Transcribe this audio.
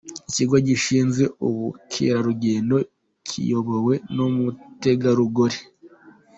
Ikigo gishinzwe ubukerarugendo kiyobowe n'umutegarugori.